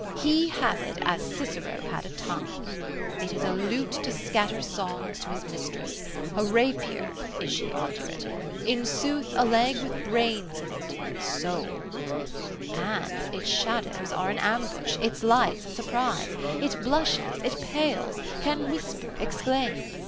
He has it as Cicero had a tongue. It is a lute to scatter songs to his mistress; a rapier, is she obdurate. In sooth a leg with brains in it, soul. And its shadows are an ambush, its lights a surprise. It blushes, it pales, can whisper, exclaim.